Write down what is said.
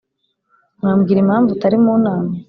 wambwira impamvu utari mu nama?